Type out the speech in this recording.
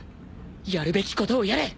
やるべきことをやれ！